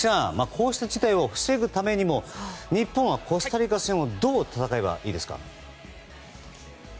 こうした事態を防ぐためにも日本はコスタリカ戦をどう戦えばいいですか？